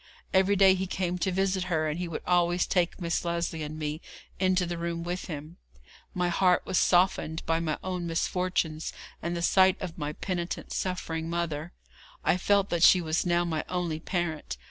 Every day he came to visit her, and he would always take Miss Lesley and me into the room with him. My heart was softened by my own misfortunes, and the sight of my penitent, suffering mother. I felt that she was now my only parent.